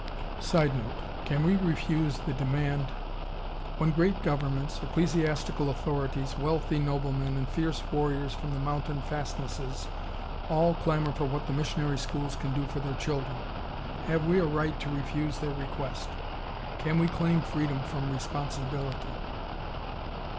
[Sidenote: Can we refuse the demand?] When great governments, ecclesiastical authorities, wealthy noblemen, and fierce warriors from the mountain fastnesses all clamor for what the missionary schools can do for their children, have we a right to refuse their request? Can we claim freedom from responsibility?